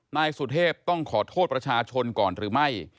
นายสุเทพต้องขอโทษประชาชนก่อนหรือไม่